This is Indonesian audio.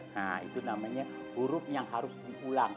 nah itu namanya huruf yang harus diulang